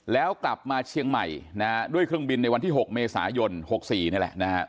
แล้วกลับมาเชียงใหม่นะฮะด้วยเครื่องบินในวันที่๖เมษายน๖๔นี่แหละนะฮะ